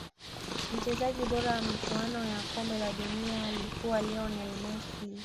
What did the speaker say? mchezaji bora wa michuano ya kombe la dunia alikuwa lionel messi